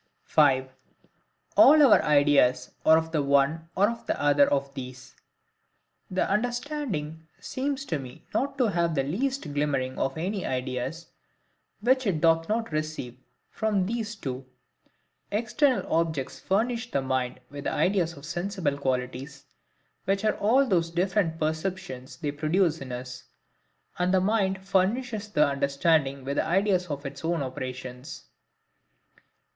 5. All our Ideas are of the one or of the other of these. The understanding seems to me not to have the least glimmering of any ideas which it doth not receive from one of these two. EXTERNAL OBJECTS furnish the mind with the ideas of sensible qualities, which are all those different perceptions they produce in us; and THE MIND furnishes the understanding with ideas of its own operations.